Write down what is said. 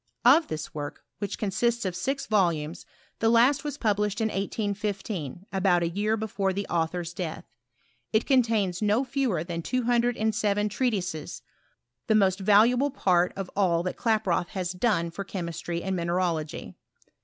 Of this work, which con sists of six volumes, the last was published in 1815, about a year before the author's death. It contains no fewer than two hundred and seven treatises, the most valuable part of all that Klaproth had done for chemistry and mineralogy.